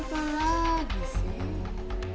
apa lagi sih